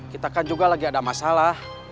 kita kan juga lagi ada masalah